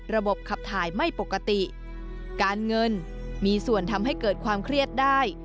ระบบขับถ่ายไม่ปกติการเงินมีส่วนทำให้เกิดความเครียดได้